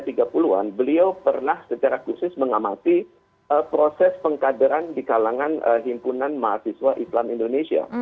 beliau di usia tiga puluh an beliau pernah secara khusus mengamati proses pengkaderan di kalangan himpunan mahasiswa islam indonesia